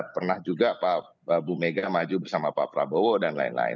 pernah juga pak bu mega maju bersama pak prabowo dan lain lain